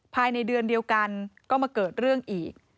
ภายในเดือนเดียวกันก็มาเกิดเรื่องอีก